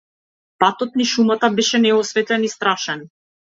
Патот низ шумата беше неосветлен и страшен.